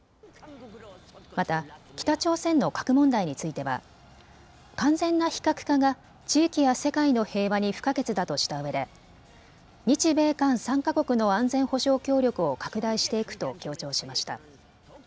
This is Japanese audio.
また北朝鮮の核問題については完全な非核化が地域や世界の平和に不可欠だとしたうえで日米韓３か国の安全保障協力を拡大していくと強調しました。